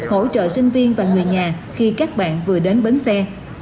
hỗ trợ sinh viên và người nhà khi các bạn vừa đến bến xe